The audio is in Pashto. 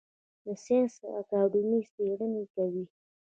د ساینس اکاډمي څیړنې کوي